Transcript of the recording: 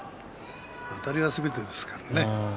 あたりがすべてですからね。